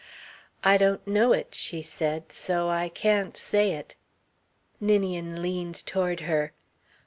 "I don't know it," she said, "so I can't say it." Ninian leaned toward her.